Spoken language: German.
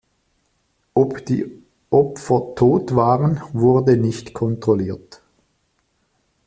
Ob die Opfer tot waren, wurde nicht kontrolliert.